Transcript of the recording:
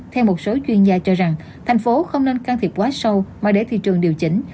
theo một số chuyên gia cho rằng thành phố không nên can thiệp quá sâu mà để thị trường điều chỉnh